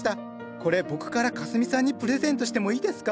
これ僕からかすみさんにプレゼントしてもいいですか？